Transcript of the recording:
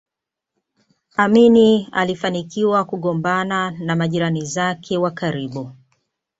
Amin alifanikiwa kugombana na majirani zake wa karibu